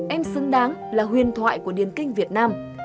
em xứng đáng là huyền thoại của điền kinh việt nam